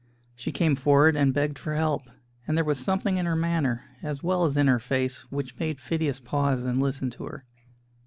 She came forward and begged for help; and there was something in her manner, as well as in her face, which made Phidias pause and listen to her.